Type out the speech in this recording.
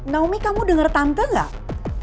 naomi kamu denger tante gak